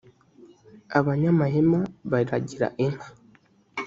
abanyamahema baragira inka